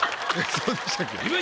そうでしたっけ？